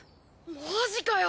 マジかよ！